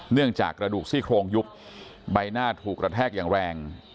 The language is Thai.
เนื่องจากกระดูกซี่โครงยุบใบหน้าถูกระแทกอย่างแรง